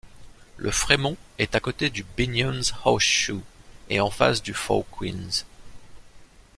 Le Fremont est à côté du Binion's Horseshoe et en face du Four Queens.